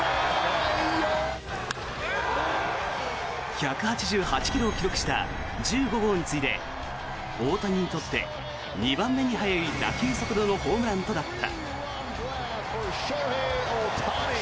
１８８ｋｍを記録した１５号に次いで大谷にとって２番目に速い打球速度のホームランとなった。